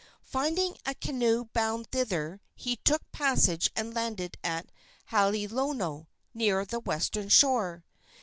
Finding a canoe bound thither, he took passage and landed at Haleolono, near the western shore.